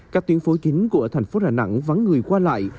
các tuyến phố chính của thành phố đà nẵng vắng người qua lại